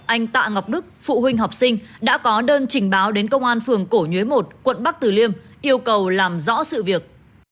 anh tạ ngọc đức phụ huynh học sinh đã có đơn trình báo đến công an phường cổ nhuế một quận bắc tử liêm yêu cầu làm rõ sự việc